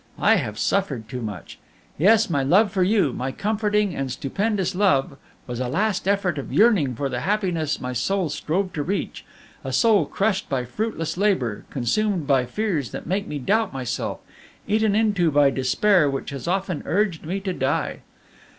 I have suffered too much. Yes, my love for you, my comforting and stupendous love, was a last effort of yearning for the happiness my soul strove to reach a soul crushed by fruitless labor, consumed by fears that make me doubt myself, eaten into by despair which has often urged me to die.